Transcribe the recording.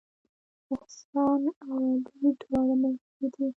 احسان او علي دواړه ملګري دي